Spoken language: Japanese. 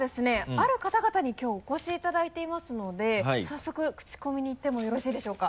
ある方々にきょうお越しいただいていますので早速クチコミにいってもよろしいでしょうか？